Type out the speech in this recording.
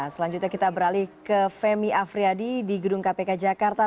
selanjutnya kita beralih ke femi afriyadi di gedung kpk jakarta